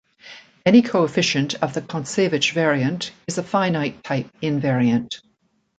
Any coefficient of the Kontsevich invariant is a finite type invariant.